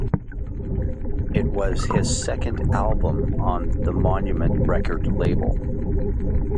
It was his second album on the Monument Record label.